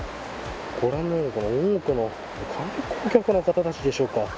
ご覧のように、多くの観光客の方たちでしょうか。